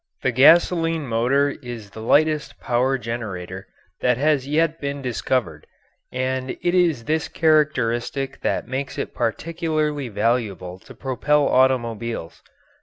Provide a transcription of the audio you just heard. The gasoline motor is the lightest power generator that has yet been discovered, and it is this characteristic that makes it particularly valuable to propel automobiles.